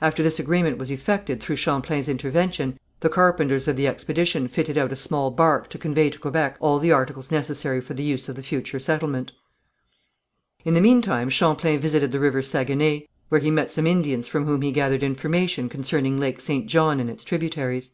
After this agreement was effected through Champlain's intervention, the carpenters of the expedition fitted out a small barque to convey to Quebec all the articles necessary for the use of the future settlement. [Illustration: Building the Habitation, Quebec, 1608 From the painting by C.W. Jefferys] In the meantime Champlain visited the river Saguenay, where he met some Indians from whom he gathered information concerning Lake St. John and its tributaries.